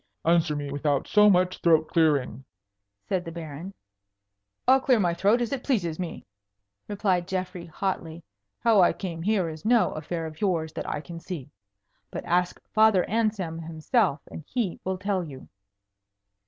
"Answer me without so much throat clearing," said the Baron. "I'll clear my throat as it pleases me," replied Geoffrey hotly. "How I came here is no affair of yours that I can see. But ask Father Anselm himself, and he will tell you."